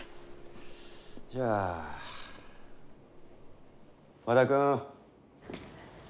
じゃあ和田君。